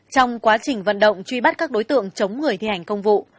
trong quá trình vận động truy bắt các đối tượng chống người thi hành công vụ